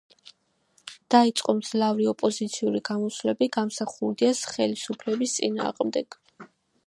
დაიწყო მძლავრი ოპოზიციური გამოსვლები გამსახურდიას ხელისუფლების წინააღმდეგ.